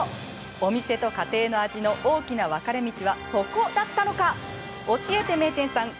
お店と家庭の味の大きな分かれ道はそこだったのか。